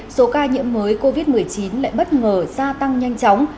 số ca nhiễm mới covid một mươi chín lại bất ngờ gia tăng nhanh chóng